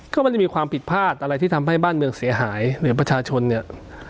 ก็ไม่ได้มีความผิดพลาดอะไรที่ทำให้บ้านเมืองเสียหายหรือประชาชนเนี่ย